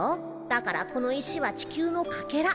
だからこの石は地球のかけら。